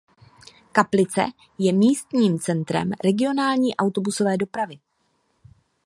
Kaplice je místním centrem regionální autobusové dopravy.